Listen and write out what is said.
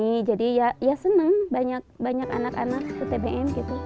ya senang banyak anak anak ke tbm gitu